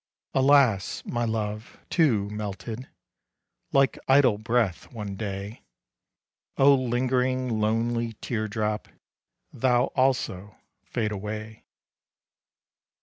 Alas! my love, too, melted Like idle breath one day; Oh lingering, lonely tear drop, Thou also fade away!